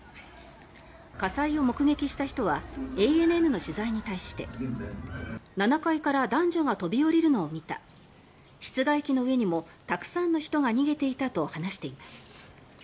火災を目撃した人はＡＮＮの取材に対して７階から男女が飛び降りるのを見た室外機の上にもたくさんの人が逃げていたと話しています。